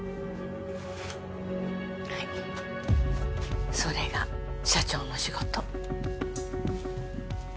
はいそれが社長の仕事